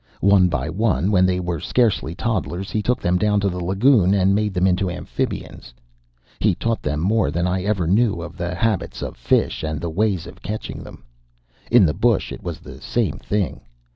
One by one, when they were scarcely toddlers, he took them down to the lagoon, and made them into amphibians. He taught them more than I ever knew of the habits of fish and the ways of catching them. In the bush it was the same thing.